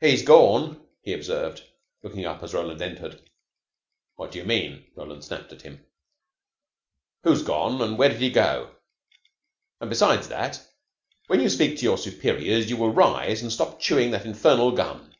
"He's gorn," he observed, looking up as Roland entered. "What do you mean?" Roland snapped at him. "Who's gone and where did he go? And besides that, when you speak to your superiors you will rise and stop chewing that infernal gum.